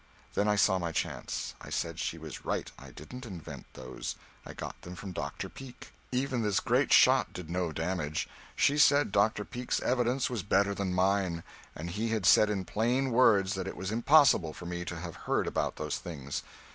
Then I saw my chance! I said she was right I didn't invent those, I got them from Dr. Peake. Even this great shot did no damage. She said Dr. Peake's evidence was better than mine, and he had said in plain words that it was impossible for me to have heard about those things.